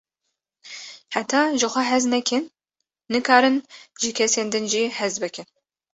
Heta ji xwe hez nekin, nikarin ji kesên din jî hez bikin.